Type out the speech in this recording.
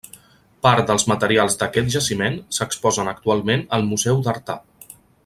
Part dels materials d'aquest jaciment s'exposen actualment al museu d'Artà.